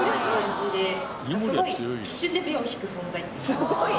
すごい。